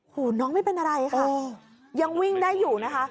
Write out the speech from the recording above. น้องไม่เป็นอะไรค่ะยังวิ่งได้อยู่นะคะ